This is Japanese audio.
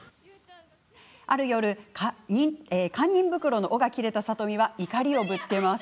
ある夜、堪忍袋の緒が切れた里美は怒りをぶつけます。